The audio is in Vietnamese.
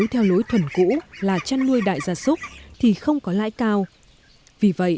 trị lợi nông thị lợi